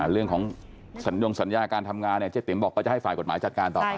เรื่องของสัญญงสัญญาการทำงานเนี่ยเจ๊ติ๋มบอกก็จะให้ฝ่ายกฎหมายจัดการต่อไป